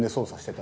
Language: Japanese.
た